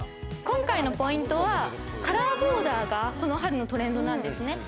今回のポイントは、カラーボーダーがこの春のトレンドなんですね、